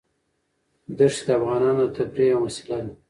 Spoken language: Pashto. دښتې د افغانانو د تفریح یوه وسیله ده.